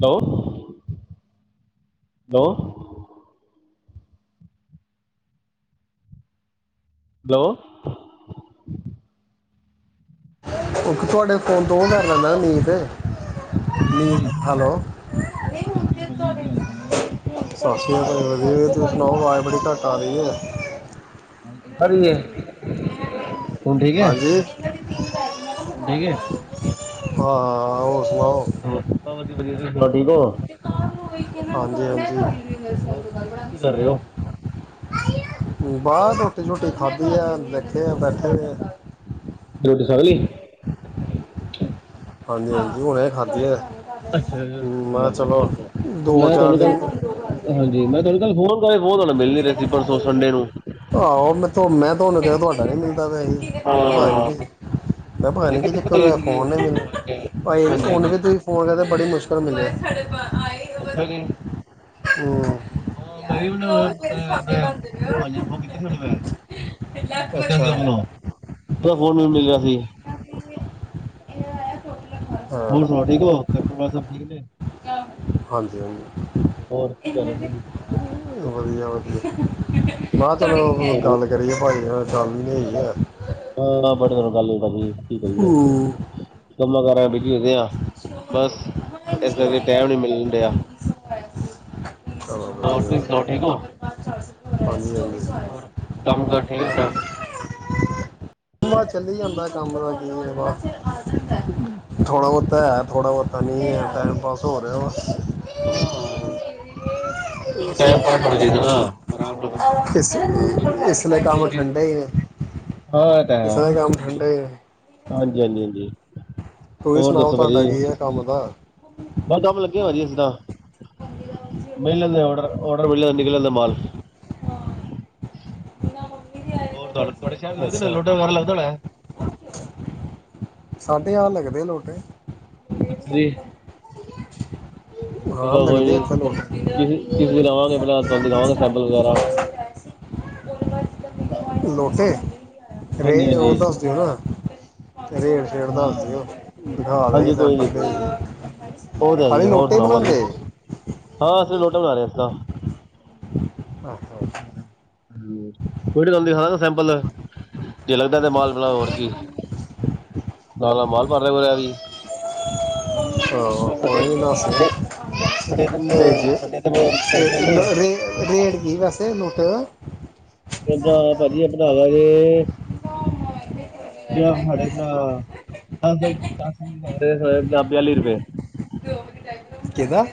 ਦੋ ਦੋ ਹੈਲੋ ਸਤਿ ਤੁਹਾਡੇ ਫੋਨ ਤੋਂ ਕਰ ਲੈਣਾ ਅੀਤ [unintelligible] ਸਤਿ ਸ਼੍ਰੀ ਅਕਾਲ ਭਾਜੀ ਸਤਿ ਸ਼੍ਰੀ ਅਕਾਲ ਭਾਜੀ ਕੀ ਹਾਲ ਚਾਲ। ਸਤਿ ਸ਼੍ਰੀ [inaudible] ਸੁਣਾਓ ਆਵਾਜ਼ ਬੜੀ ਘੱਟ ਆ ਰਹੀ ਹੈ ਆਵਾਜ਼ ਘੱਟ ਆ ਰਹੀ ਹੈ, ਹੁਣ ਠੀਕ ਹੈ, ਹਾਂਜੀ ਹੁਣ ਸਹੀ ਏ ਹਾਂ ਹੋਰ ਸੁਣਾਓ? ਹੋਧੀ [inaudible] ਵਧੀਆ ਤੁਸੀਂ ਸੁਣਾਓ ਠੀਕ ਹੋ ਹਾਂਜੀ ਹਾਂਜੀ ਹੋਰ ਕੀ ਕਰ ਰਹੇ ਹੋ, ਬਾਸ ਰੋਟੀ ਸ਼ੋਟੀ ਖਾਧੀ ਆ ਦੇਖਦੇ ਆ ਬੈਠੇ ਦੇ ਆ। ਰੋਟੀ ਸੜ ਗਈ? ਹਾਂਜੀ ਹਾਂਜੀ ਹੁਣੇ ਖਾਧੀ ਏ। ਅੱਛਾ ਮੈਂ ਚੰਗੀ ਕਿਹਾ ਗੱਲ ਹੈ। ਚਲੋ ਹੋਰ ਸੁਣਾਓ? ਉਹ ਦੋ ਮੈਂ ਚਾਰ ਤੁਹਾਨੂੰ ਕੱਲ ਦਿਨ ਹਾਂਜੀ ਮੈਂ ਤੁਹਾਨੂੰ ਕੱਲ ਫੋਨ ਕਰ ਫੋਨ ਤੁਹਾਨੂੰ ਮਿਲਣ ਨਹੀਂ ਰਿਹਾ ਸੀ ਪਰਸੋਂ ਸੰਡੇ ਨੂੰ ਆਹੋ ਮੈਂ ਥਾਨੂੰ ਮੈਂ ਤੁਹਾਨੂੰ ਕਿਹਾ ਤੁਹਾਡਾ ਨੀ ਮਿਲਦਾ ਪਿਆ ਹੀ ਮੈਂ ਕਿਹਾ ਪਤਾ ਨੀ ਹਾਂ। ਕਿ ਮੈਂ ਪਤਾ ਨੀ ਕਿ ਕਿੱਥੇ ਚੱਕਰ ਗਏ ਹੋਆ ਸੀਗੇ, ਫੋਨ ਨੇ ਮੈਨੂੰ ਹਾਂਜੀ ਭਾਈ ਹੁਨ ਵੀ ਹਾਂਜੀ, ਤੁਸੀ ਫੋਨ ਕਰਦਾ ਬੜੀ ਮੁਸ਼ਕਿਲ ਮਿਲੇ ਅੱਛਾ ਜੀ। ਹਮਮ ਹਾਂ ਬਾਈ ਉਹ [unintelligible] ਮੈਂ ਫੋ ਕੀਤਾ ਸੀੂੰ ਮੈਂ ਪੁੱਛਿਆ ਅੱਛਾ ਸੀ ਉਹ ਕੋਲੋਂ [unintelligible] ਉਹਦਾ ਫੋਨ ਮੈਂਨੂੰ ਮਿਲਿਆ ਸੀ ਹਾਂ ਦੇਠਕੋ [unintelligible] ਘਰ ਪਰਿਵਾਰ ਸਭ ਠੀਕ ਨੇ ਹਾਂਜੀ ਹੋਰ ਕੀ ਕਰ ਰਹੇ ਹਾਂਜੀ ਸੀ ਵਧੀਆ ਵਧੀਆ ਮ [unintelligible] ਹੋਰ ਚਲੋ ਕੀ ਕਰ ਰਹੇ ਗ ਹੋ ਲ ਕਰੀਏ ਭਾਈ ਸ਼ਾਮੀ ਨੇ [unintelligible] ਹਾਂ ਬੜੇ ਦਿਨ ਗੱਲ ਹੀ ਬਣੀ ਕੀ ਕਰੀਏ ਹੂੰ ਕੰਮਾਂ ਕਾਰ ਬਿੱਜੀ ਹੋਏ ਦੇ ਹਾਂ ਬਸ ਇਸ ਅੱਛਾ। ਕਰਕੇ ਟਾਈਮ ਨੀ ਮਿਲਣ ਡਿਆ ਚਲੋ ਹੋਰ ਤੁਸੀਂ ਵਧੀਆ। ਸੁਣਾਓ ਠੀਕ ਹੋ ਹਾਂਜੀ ਹਾਂਜੀ ਹੋਰ ਕੰਮ ਕਾਰ ਠੀਕ ਆ ਤੁਹਾਡਾ? ਚੱਲ ਜਾਂਦਾ ਕੰਮ ਲਾ ਵਾ। ਥੋੜਾ- ਬਹੁਤਾ ਹੈ, ਥੋੜਾ- ਬਹੁਤਾ ਨਹੀਂ ਹੈ, ਟਾਈਮ ਪਾਸ ਹੋ ਰਿਹਾ। ਹਾਂ। ਇਸ ਲਈ ਟਾਈਮ ਪਾਸ ਹੋਣਾ ਕੰਮ ਚਾਹੀਦਾ ਨਾ ਆਰਾਮ ਨਾਲ। ਇਸ- ਇਸ ਲਈ ਕੰਮ ਠੰਡੇ ਨੇ, ਹਾਂ ਇਹ ਤਾਂ ਇਸ ਹੈ ਲਈ ਕੰਮ ਠੰਡੇ ਜ ਹਾਂਜੀ- ਹਾਂਜੀ -ਹਾਂਜੀ, ਤੁਸੀਂ ਹੋਰ ਸੁਣਾਓ ਦੱਸੋ ਤੁਹਾਡਾ ਭਾਜੀ। ਕੀ ਹੈ ਕੰਮ ਦਾ ਬਹੁ ਕੰਮ ਲੱਗੇ ਵਾ ਜੀ ਸਿੱਦਾਂ ਮਿਲ ਲੈਂਦੇ ਡ ਔਡਰ ਮਿਲ ਲ ਨਿਕਲ ਜਾਂਦੇ ਮਾਲ। ਹੋ ਤੁਹਾਡੇ ਸ਼ਹਿਰ ਲੱਗਦੇ ਲੋਟੇ ਮਾਲ ਲੱਗਦਾ ਹੋਣਾ। ਸਾਢੇ ਆ ਲੱਗਦੇ ਆ ਲੋਟੇ। ਰੇ ਹਾਂ ਚਲੋ ਕੋਈ ਲੱਗਦੇ ਆ ਨੀ, ਚਲੋ ਕਿਸੇ- ਕਿਸੇ ਦਿਨ ਆਵਾਂਗੇ ਪਹਿਲ ਤੁਹਾਨੂੰ ਦਿਖਾਵਾਂਗੇ ਸੈਂਪਲ ਵਗੈਰਾ। ਲੋਟੇ। ਰੇ ਹਾਂਜੀ ਉਹ ਹਾਂਜੀ ਦੱਸ ਦਿਓ ਨਾ ਰੇਟ। ਰੇਟ ਹਾਂ ਦੱਸ, ਉਹ ਦਿਖਾ ਦੇ ਹਾਂਜੀ ਕੋਈ ਸੈਂਪਲ ਨੀ ਕੋਈ ਨੀ ਉਹ ਭੇਜ ਤਾਂ ਹੈ ਖਾਲੀ ਹੈ ਹੋਰ ਲੋੋਟੇ ਹੀ ਸੁਣਾਓ ਭਾਜੀ ਬਣਾਉਦੇ। ਹਾਂ ਅਸੀ ਲੋਟਾ ਬਣਾਰਹੇ ਹਾਂ। ਆਹੋ! ਕੋਈ ਦੇਖਾ ਨਾ ਸੈਂਪਲ। ਜੇ ਲੱਗਦਾ ਤੇ ਮਾਲ ਬਿਣਾ ਹੋਰ ਕੀ। ਸਾਰਾ ਮਾਲ ਭਰ ਰਿਹਾ ਹੋ ਰਿ ਵੀ। ਹ ਸਾਡੇ ਕੋ ਨਾ ਸੇ। ਸਾਡੇ ਸਾਡੇ ਤੇ ਜੇ ਸਾਡੇ ਤੇ ਭੇਜ ਦੇ ਨਾ ਰੇਟ ਕੀ ਵੈਸੇ ਲੋਟਿਆਂ ਦਾ। ਪੰਜਾ ਭਾਜੀ ਆਪਾ ਬਣਨਾ ਦਾਗੇ। [unintelligible] ਜੇ ਪੰਜਾ [unintelligible] ਬਿਆਲੀ ਰੁਪਏ। ਘਿੳ ਵਾਲੀ ਡਾਈ। ਕਿਦਾ।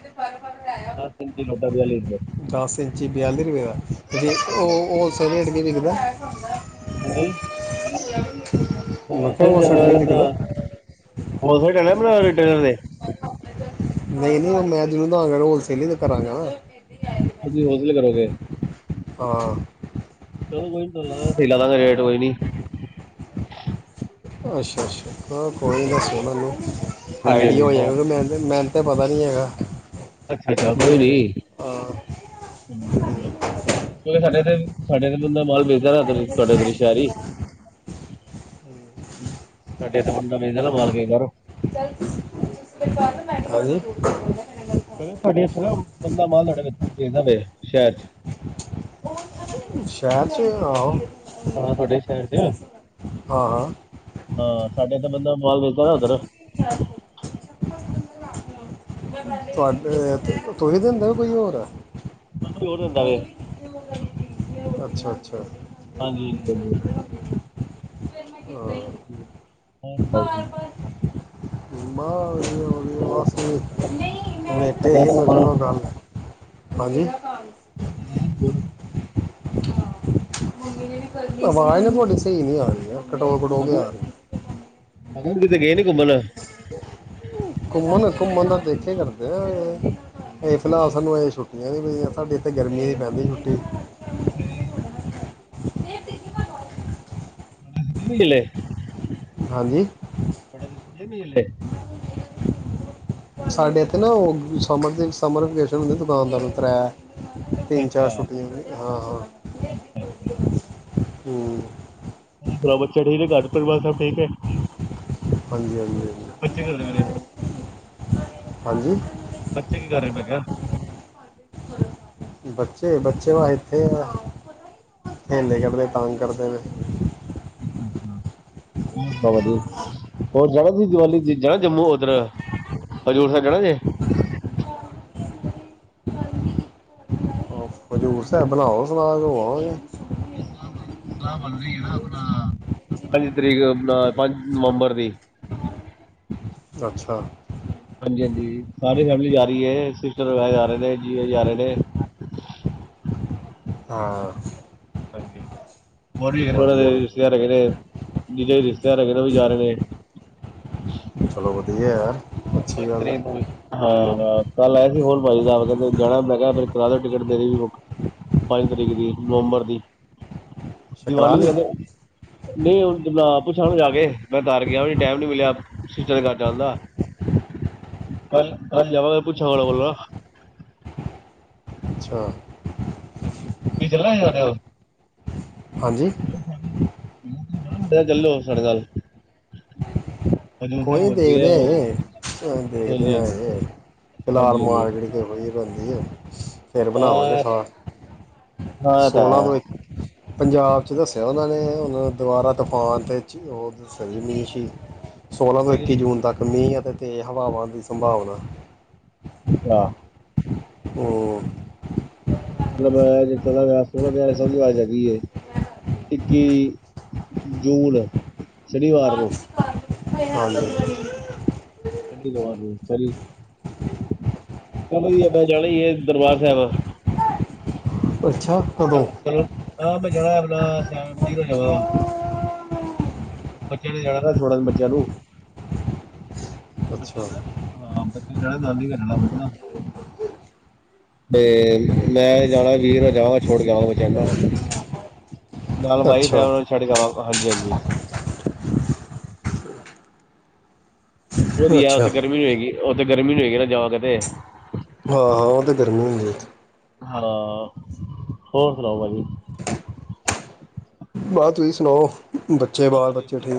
ਦ ਦਿ ਦੋਡ ਦਿ ਲਈਰ [unintelligible] ਪੱਚੀ- ਬਿਆਲੀ ਰਪਏ ਦਾ। ਅਤੇ ਹਾਂਜੀ ਹਾਂਜੀ ਉਹ ਹੋਲਸੇਲ ਰੇਟ ਵੀ ਵਿਕਦਾ। ਹਾਂਜੀ। ਹ [unintelligible] ਹੋਰਥ ਹੋਰਥ ਟਲ ਬਰ ਦੇ [unintelligible] ਨਹੀਂ- ਨਹੀਂ ਮੈਂ ਜਨੂੰ ਤਾਂ ਹੋਲਸੇਲ ਹੀ ਤੇ ਕਰਾਂਗਾ ਨਾ। ਤੁਸੀਂ ਹੋ ਦਲ ਕਰੋਗੇ। ਹਾਂ। ਚਲੋ ਕੋਈ ਨੀ ਤੋ ਲਾਂ ਸਹੀ ਲਾ ਦਾਂਗੇ ਰੇਟ ਕੋਈ ਨੀ। ਅੱਛਾ- ਅੱਛਾ, ਕੋਈ ਨਹੀਂ, ਹਾਂਜੀ ਹਾਂਜੀ ਦੱਸੋ ਤੁਹਾਨੂੰ ਹਾਂਜੀ ਆਈਡੀਆ ਹਾਂਜੀ ਹੋ ਹੋਰ ਜਾ ਮੈ -ਮੈ ਤਾਂ ਪਤਾ ਨਹੀਂ ਹੈਗਾ। ਅੱਛਾ- ਅੱਛਾ, ਕੀ ਕੋਈ ਹੈਗਾ ਨੀ। ਹਾਂ ਉਂਕਿ ਸਾਡੇ ਇ ਸਾਡੇ ਤੇ ਬੰਦਾ ਮਾਹੌਲ ਵੇਜਦਾਧਰ ਤੁਹਾਡੇ ਉਧਰ ਸ਼ਹਿਰ ਹੀ। ਤਾਡੇ ਤਾਂ ਮੁੰਡ ਮਿਲ ਜਾਏਗਾ ਬਾਹਰੋ। ਹਾਂਜੀ। ਤੁਹਾਡੇ ਇੱਥੇ ਨਾ ਬੰਦਾ ਮਾਂ ਤੁਹਾਡੇਥ ਨਾਵੇ ਸ਼ਹਿਰ ਚ'। ਸ਼ਹਿਰ 'ਚ ਆਓ। ਹਾਂ ਤੁਹਾਡੇ ਹੀ ਸ਼ਹਿਰ ਚ'। ਹਾਂ- ਹਾਂ। ਹਾਂ। ਸਾਡੇ ਤਾਂ ਬੰਦਾ ਮਾਹੋਲ ਵੇਚਦਾ ਉੱਧਰ। ਤੁਹਾਡੇ ਤੁਸੀਸੀਂ ਦਿੰਦੇਓ ਕੋਈ ਹੋਰ। ਮੈਨੂੰ ਹੋਰ ਦਿੰਦਾ ਵੇ ਅੱਛਾ- ਅੱਛਾ। ਹਾਂਜੀ ਬ ਵਧੀਆ। ਹਾ ਹਾਂ। [unintelligible] [unintelligible] ਹੋਰ ਇਹ ਤੇੇ ਕਿੱਥੇ ਹੀ ਗਏ ਨੀ ਮਜ਼ੇ ਨਾਲ ਗੱਲ ਐ, ਹਾਂਜੀ। [unintelligible] ਆਵਾਜ਼ ਤੁਹਾਡੀ ਸਹੀ ਨਹੀਂ ਆ ਰਹੀ ਹੈ ਕਟੋ ਕਟੋ ਮੈਂ ਕੇ ਕਿਹਾ ਆ ਰਹੀ। ਮੈਂ ਕਿਹਾ ਕਿਤੇ ਗਏ ਨੀ ਘੁੰਮਣ? ਘੁੰਮਣ, ਘੁੰਮਣ ਤਾਂ ਏਖੇ ਕਰਦੇ ਐ। ਹਲੇ ਫਿਲਹਾਲ ਅੱਛਾ ਸਾਨੂੰ ਇਹ ਛੁੱਟੀਆਂ ਨੀ ਪਈਆਂ, ਸਾਡੇ ਇੱਥੇ ਗਰਮੀਆਂ ਦੀ ਪੈਂਦੀ ਛੁੱਟੀ। ਅੱਛਾ ਜੀ। [unintelligible] ਹਾਂਜੀ? ਪੜਦੇ ਸੀ ਨਹੀਂ ਹਲੇ। [unintelligible] ਸਾਡੇ ਇੱਥੇ ਨਾ ਉਹ ਸਮਰ ਦੇ ਸਮਰ ਵਕੇਸ਼ਨ ਹੁੰਦੇ ਦੁਕਾਨਦਾਰ ਕਰਾਇਆ। ਤਿੰਨ- ਚਾਰ ਛੁਟੀਆਂ ਲਈ ਹਾਂ- ਹਾਂ। ਅੱਛਾ- ਅੱਛਾ। ਹੂੰ। ਪਰਾ ਬੱਚਾ ਠੀਕ ਐ ਘਰ ਪਰਿਵਾਰ ਸਭ ਠੀਕ ਐ? ਹਾਂਜੀ- ਹਾਂਜੀ ਹਾਂ, ਹਾਂਜੀ। ਬੱਚੇ ਕੀ ਕਰ ਰਹੇ ਮੈ ਕਿਹਾ? ਬੱਚੇ, ਬੱਚੇ ਵਾ ਇੱਥੇ ਆ ਖੇਲ ਦੇ ਯਾਂ ਪਤਾ ਤੰਗ ਕਰਦੇ ਪਏ ਨੇ। ਅੱਛਾ- ਅੱਛਾ। ਹੋਰ ਵਧੀਆ, ਹੋਰ ਜਾਣਾ ਤੁਸੀ ਦੀਵਾਲੀ ਜਾਣਾ ਜੰਮੂ ਉੱਧਰ। ਹਜ਼ੂਰ ਸਾਹਿਬ ਜਾਣਾ ਜੇ। ਹਜੂਰ ਸਾਹਿਬ ਬਣਾਓ ਸਲਾਦ ਹੋ ਆਵਾਂਗੇ। ਸਲਾਹ ਬਨ ਰਹੀ ਐ ਨਾ ਆਪਣਾ ਪੰਜ ਤਰੀਕ, ਪੰਜ ਨਵੰਬਰ ਦੀ। ਅੱਛਾ। ਹਾਂਜੀ- ਹਾਂਜੀ ਸਾਰੀ ਫੈਮਿਲੀ ਜਾ ਰਹੀ ਹੈ ਸਿਸਟਰ ਜਾ ਰਹੇ ਨੇ ਜੀਜਾ ਜੀ ਜਾ ਰਹੇ ਨੇ। ਹਾਂ। ਹਾਂਜੀ। ਹੋਰ ਵੀ ਹੈ ਥੋੜੇ ਵਧੀਆ ਜੇ ਰਿਸ਼ਤੇਦਾਰ ਵਧੀਆ ਹੇਗੇ ਨੇ, ਜੀਜਾ ਜੀ ਦੇ ਰਿਸ਼ਤੇਦਾਰ ਹੈਗੇ ਨੇ ਉਹ ਵੀ ਜਾ ਰਹੇ ਨੇ। [inaudible] ਚਲੋ ਵਧੀਆ ਹਾਂਜੀ ਐ, ਅੱਛੀ ਪੰਜ ਗੱਲ ਹੈ। ਤਰੀਕ ਨੂੰ ਹਾਂ- ਹਾਂ ਕੱਲ ਆਇਆ ਸੀ ਓਨ ਭਾਜੀ ਦਾ ਕਹਿੰਦੇ ਜਾਣਾ ਮੈਂ ਕਿਹਾ ਫੇਰ ਕਰਾਲੋ ਟਿਕਟ ਮੇਰੀ ਵੀ ਬੂਕ। ਪੰਜ ਤਰੀਕ ਦੀ ਨਵੰਬਰ ਦੀ। ਸ਼ਕਰਾ ਦੀਵਾਲੀ ਦੇ ਲਈ ਕਹਿੰਦੇ ਨਹੀਂ ਹੁਣ ਪੁੱਛ ਜਾ ਕੇ ਮੈਂ ਘਰ ਗਿਆ ਟਾਈਮ ਨੀ ਮਿਲਿਆ। [unintelligible] ‌ ਕੱਲ- ਕੱਲ ਜਾਵਾਂਗਾ ਪੁੱਛਾਂਗਾ ਉਹਨਾਂ ਕੋਲੋਂ ਅੱਛਾ। ਤੁਸੀ ਚਲਣਾ ਸਾਡੇ ਨਾਲ। ਹਾਂਜੀ? ਚੱਲੋ ਸਾਡੇ ਨਾਲ। ਹਜੂਰ ਕੋਈ ਸਾਹਿਬ ਨੀ ਹੋ ਚੱਲੇ ਆ ਹੋਰ ਦੇਖਦੇ ਹਲੇ ਦੇਖਦੇ ਹਾਂਜੀ ਹਾਂਜੀ ਹਜੇ ਫਿਲਹਾਲ ਹਾਂਜੀ ਹਾਂਜੀ ਮਾਰਕੀਟ, ਜਹੀ ਬਂਦੀ ਹੈ ਫੇਰ ਬਣਾਵਾਂਗੇ ਹਾਂ ਸਾਥ ਹਾਂ ਤਾਂ ਸੋਲਾਂ ਤੋਂ ਇੱਕ ਪੰਜਾਬ 'ਚ ਦੱਸਿਆ ਉਨਾਂ ਨੇ ਹੁਨ ਦੁਬਾਰਾ ਤੂਫਾਨ ' ਉ ਦੱਸਿਆ ਸੀ ਮੀਸ਼ਨ ਸੀ। ਸੋਲਾਂ ਤੋਂ ਅੱਛਾ ਜੀ ਇੱਕੀ ਜੂਨ ਤੱਕ ਮੀਂ ਅਤੇ ਤੇਜ਼ ਹਵਾਵਾਂ ਦੀ ਸੰਭਾਵਨਾ ਅੱਛਾ। ਹੂੰ। ਮਤਲਬ ਜਿੱਥੋਂ ਦੀ ਆਵਾਜ਼ [unintelligible] ਹੈਗੀ ਏ। ਇੱਕੀ ਜੂਨ, ਸ਼ਨੀਵਾਰ ਨੂੰ ਹਾਂਜੀ। [unintelligible] ਚ ਵਧੀਆ ਮੈਂ ਜਾਣਾ ਈ ਏ ਦਰਬਾਰ ਸਾਹਿਬ। ਅੱਛਾ ਕਦੋਂ। ਚਲੋ ਹਾਂ ਮੈਂ ਜਾਣਾ ਆਪਣਾ ਸਾਨਤੀ ਨਾਲ ਜਾਵਾਗਾ। ਬੱਚਿਆਂ ਨੇ ਜਾਣੈ ਨਾ, ਛੋੜਨ ਬੱਚਿਆਂ ਨੂੰ ਅੱਛਾ ਹਾ ਬਚਿਆ ਨੇ ਜਾਣਾ ਨਾਨੀ ਘਰ ਜਾਣਾ। ਤੇ ਮੈਂ ਜਾਣਾ ਵੀਰਵਾਰ ਜਾਵਾਂਗਾ ਛੋੜ ਕੇ ਆਵਾਂਗਾ ਬੱਚਿਆਂ ਨੂੰ ਨਾਨੀ ਘਾਰ। ਨਾਲ ਵਾਈਫ ਏ ਅੱਛਾ ਉਨਾ ਨੂੰ ਛੱਡ ਕੇ ਆਵਾਗਾ, ਹਾਂਜੀ- ਹਾਂਜੀ। ਵਧੀਆ ਅੱਛਾ ਉੱਥੇ ਗਰਮੀ ਨੀ ਹੋਏਗੀ, ਉੱਥੇ ਗਰਮੀ ਵੀ ਹੋਏਗੀ ਜਾਵਾਂਗੇ ਤੇ। ਹਾਂ-ਹਾਂ ਉ ਤਾਂ ਗਰਮੀ ਏ। ਹਾਂ ਹੋਰ ਸੁਣਾਓ ਭਾਜੀ। ਬਾਅ ਤੁਸੀਂ ਸੁਣਾਓ? ਬੱਚੇ ਬਸ ਬਾਲ ਬੱਚੇ ਠੀਕ ਵਧੀਆ-ਵਧੀ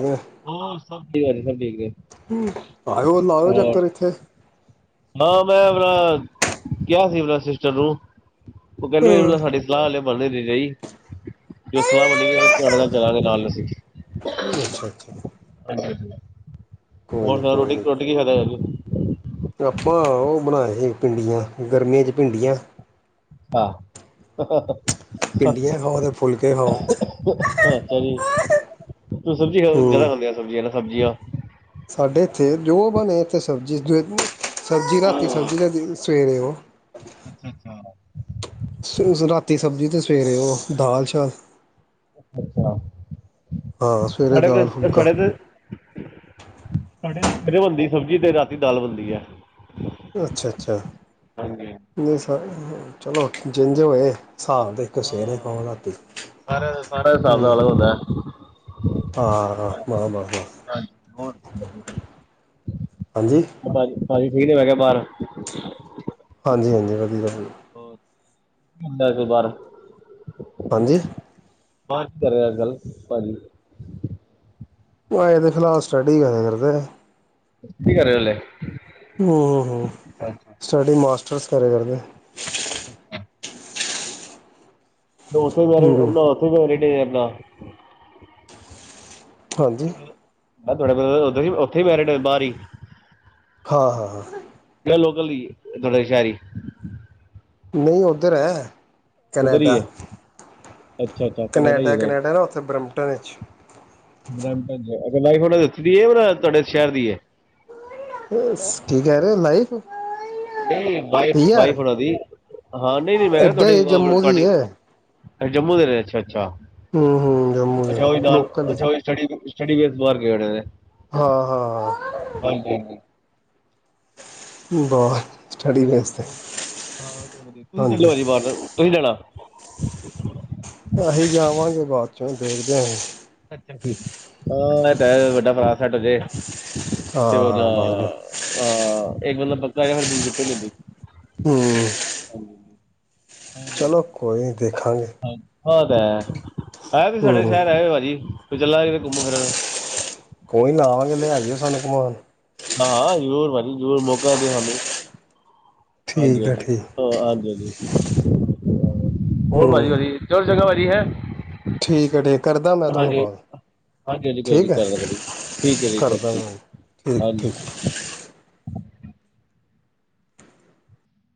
ਹੋਰ ਸਭ ਠੀਕ ਆ ਸਭ ਠੀਕ ਏ। ਹੂੰ, ਆਓ ਲਾਇਓ ਚੱਕਰ ਇੱਥੇ। ਹਾਂ ਮੈਂ ਆਪਣਾ ਕਿਆ ਸੀ ਆਪਣਾ ਸਿਸਟਰ ਨੂੰ ਉ ਕਹਿੰਦੇ ਮ ਸਾਡੇ ਸਲਾਹ ਹਾਲੇ ਬਨ ਨੀ ਰਈ, ਜਦੌ ਸਲਾਹ ਵਣੀ ੳਦੋ ਤੁਹਾਡੇ ਨਾਲ ਚੱਲਾਂਗੇ ਨਾਲ ਅਸੀ। ਅੱਛਾ-ਅੱਛਾ। ਹਾਂਜੀ-ਹਾਂਜੀ। ਹੋਰ ਸੁਨਾੳ ਕੋਈ ਨੀ ਰੋਟੀ-ਰੋਟੀ ਕੀ ਖਾਦਾ ਅਜ। ਆਪਾਂ ਉ ਬਣਾਏ ਸੀ, ਭਿੰਡੀਆਂ ਗਰਮੀਆਂ ਭਿੰਡੀਆਂ। ਹਾਂ ਅੱਛਾ ਭਿੰਡੀਆਂ ਖਾਓ ਤੇ ਫੁਲਕੇ ਖਾਓ ਜੀ, ਤੁਸੀ ਸਬਜ਼ੀ ਜਾਦਾ ਹੂੰ ਖਾਂਦੇ ਆ ਸਬਜ਼ੀਆਂ ਨਾ ਸਬਜ਼ੀਆਂ। ਸਾਡੇ ਇੱਥੇ ਜੋ ਬਣੇ ਇੱਥੇ ਸਬਜ਼ੀ, ਸਬਜ਼ੀ ਰਾਤੀ ਸਬਜ਼ੀ ਲਿਆਂਦੀ ਦੇ ਸਵੇਰੇ ੳ ਅੱਛਾ-ਅੱਛਾ। ਰਾਤੀ ਸਬਜ਼ੀ ਤੇ ਸਵੇਰੇ ਉ ਦਾਲ ਚਾਲ। ਅੱਛਾ। ਹਾਂ ਸਵੇਰੇ ਸਾਡੇ ਦਾਲ ਤੇ ਫੁਲਕਾ ਸਾਡੇ ਤੇ ਸਾਡੇ ਸਵੇਰੇ ਬਨਦੀ ਸਬਜ਼ੀ ਤੇ, ਰਾਤੀ ਦਾਲ ਬਨਦੀ ਐ। ਅੱਛਾ-ਅੱਛਾ ਹਾਂਜੀ ਨਈ ਸਰ ਚਲੋ ਜਿੰਜ ਹੋਏ ਸਾਬ ਦੇ। ਸੇਰੇ ਖਾੳ, ਹਾਂ ਰਾਤੀ ਸਾਰਾ ਸਾਰਾ ਖਾੳ। ਹਿਸਾਬ ਦਾ ਹੂੰ ਅਲੱਗ ਹੁੰਦਾ ਹੈ ਹਾਂ ਹਾਂ ਬਸ ਬਸ ਬਸ। ਹਾਂਜੀ। ਹੋਰ ਹਾਂਜੀ! ਭਾਜੀ-ਭਾਜੀ ਠੀਕ ਨੇ ਮੈ ਕਿਆ ਬਾਰ? [inaudible] ਹਾਂਜੀ-ਹਾਂਜੀ ਵਧੀਆ ਪਾਜੀ। ਬਾਹਰ [unintelligible] ਹਾਂਜੀ ਬਾਰ ਕੀ ਕਰ ਰਿਆ ਅਜ ਕਲ ਭਾਜੀ। ੳ ਹਜੇ ਤੇ ਫਿਲਹਾਲ ਸਟੱਡੀ ਕਰਦੇ ਨੇ। ਕੀ ਕਰੇ ਓ ਅਲੇ ਓ ਹੋ ਸਾਡੇ ਮਾਸਟਰਸ ਕਰਿਆ ਕਰਦੇ। ਅੱਛਾ। [inaudible] ਹਾਂਜੀ। ਮੈਂ ਤੁਆਡੇ ਬ੍ਰਦਰ ਉਧਰ ਈ ਉੱਥੇ ਮੈਰਿਡ ਹੋਏ ਬਾਰ ਈ। ਹਾਂ, ਹਾਂ, ਹਾਂ। ਜਾਂ ਲੋਕਲ ਈ ਤੁਹਡੇ ਸ਼ਹਿਰੀ ਨਈਂ ਉੱਧਰ ਐ, ਉੱਧਰ ਹੀ ਕਨੈਡਾ। ਹੈ ਅੱਛਾ ਅੱਛਾ। ਕੈਨੇਡਾ ਹੀ ਕਨੇਡਾ, ਨੇ ਕਨੈਡਾ ਨਾਂ ਉੱਥੇ ਬਰਮਟੋਂ ਵਿੱਚ। ਬਰੇਮਟਨ ਚ ਅੱਛਾ ਮੈਰਿਜ ਓਨਾਂ ਦੀ ਏਥੇ ਦੀ ਏ ਤੁਆਡੇ ਸ਼ਹਿਰ ਦੀ ਐ। [unintelligible] ਕੀ ਕੈਅ ਰੇ ਲਾਈਫ ਨਈਂ ਵਾਈਫ, ਪੀ ਆਰ ਵਾਈਫ ਓਨਾਂ ਦੀ। ਹਾਂ, ਨਈਂ ਨਈਂ, ਮੈਂ ਕਿਆ ਇੱਧਰ ਹੀ ਜੰਮੂ ਦੀ ਤੁਆਡੀੇ-ਤੁਆਡੇ ਹੈ ਏ ਜੰਮੂ ਦੇ ਰੇ। ਅੱਛਾ, ਅੱਛਾ। ਹਂ, ਹਂ ਜੰਮੂ ਦੇ, ਅੱਛਾ ਉਹ ਨਾਲ ਲੋਕਲ ਈ। ਅੱਛਾ ਉਹ ਸਟੱਡੀ, ਸਟੱਡੀ ਬੇਸ ਬਾਰ ਗਏ ਹੋਣੇ ਨੇਂ। ਹਾਂ, ਹਾਂ। ਹਾਂਜੀ, ਹਾਂਜੀ। ਬਾਹਰ। ਹੋਰ, ਹਾ ਵਧੀਆ। ਤੁਹੀਂ ਵੀ ਹਾਂਜੀ ਚਲਜੋ ਜੀ ਬਾਹਰ। ਤੁਹੀ ਨ੍ਹੀਂ ਜਾਣਾ? ਅਹੀਂ ਜਾਵਾਂਗੇ ਬਾਅਦ ਚੋਂ, ਦੇਖਦੇ ਆ। ਅੱਛਾ ਜੀ, ਆਹ ਹਾਡਾ ਵੱਡਾ ਭਰਾ ਸੈਟ ਹੋ ਜੇ। ਤੇ ਓਹਦਾ ਹਾਂ ਬਸ ਆਹ। ਇੱਕ ਬੰਦਾ ਪੱਕਾ ਹੋ ਜੇ ਫਿਰ ਦਿੱਕਤ ਨੀਂ ਹੁੰਦੀ। ਹਂ। ਚਲੋ ਕੋਈ ਨੀਂ ਦੇਖਾਂਗੇ। ਆਹ ਤੇ ਹੈ। ਆਇਓ ਤੁਸੀ ਸਾਡੇ ਹੂੰ ਸ਼ਹਿਰ ਆਇਓ ਭਾਜੀ। ਫਿਰ ਚੱਲਾਂਗੇ ਘੁੰਮਣ-ਫਿਰਨ। ਕੋਈ ਨਾ ਆਵਾਂਗੇ। ਲੈ ਜਾਇਓ ਸਾਨੂੰ ਘੁਮਾਣ। ਹਾਂ, ਜ਼ਰੂਰ ਭਾਜੀ ਜ਼ਰੂਰ, ਮੌਕਾ ਦਿਓ ਸਾਨੂੰ। ਹਾਂਜੀ, ਠੀਕ ਹੈ ਹਾਂਜੀ। ਠੀਕ ਹਾਂਜੀ, ਹਾਂਜੀ। ਹੋਰ ਭਾਜੀ ਹੂੰ ਵਧੀਆ, ਚਲੋ ਚੰਗਾ ਭਾਜੀ ਹੈਂ। ਠੀਕ ਹੈ ਠੀਕ। ਕਰਦਾ ਮੈਂ ਤੁਆਨੂੰ ਕੋਲ। ਹਾਂਜੀ ਹਾਂਜੀ ਕੋਈ ਨਹੀਂ ਠੀਕ ਐ, ਕਰਦਾ ਕਰੀ ਠੀਕ ਹੈ ਜੀ ਕਰਦਾ ਕਰਦੇ ਮੈਂ। ਠੀਕ, ਹਾਂਜੀ ਠੀਕ।